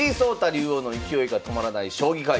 竜王の勢いが止まらない将棋界